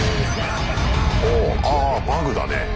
ほうあバグだね。